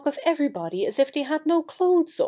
iv of everybody as if they had no clothes on.